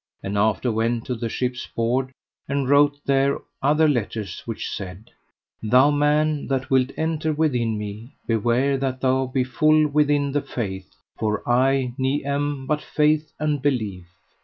And after went to the ship's board, and wrote there other letters which said: Thou man that wilt enter within me, beware that thou be full within the faith, for I ne am but Faith and Belief.